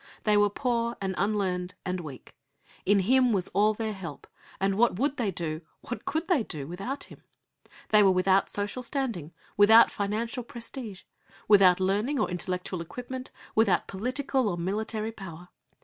They were poor and unlearned and weak. In Him was all their help, and what would they do, what could they do, without Him? They were without social standing, without financial prestige, without learning or intellectual equipment, without political or military power.